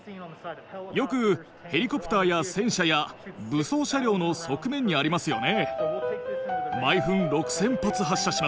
よくヘリコプターや戦車や武装車両の側面にありますよね。